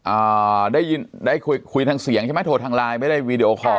อ่าได้ยินได้คุยคุยทางเสียงใช่ไหมโทรทางไลน์ไม่ได้วีดีโอคอร์